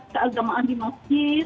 keagamaan di masjid